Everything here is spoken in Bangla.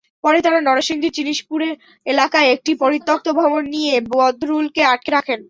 পরে তাঁরা নরসিংদীর চিনিশপুর এলাকার একটি পরিত্যক্ত ভবনে নিয়ে বদরুলকে আটকে রাখেন।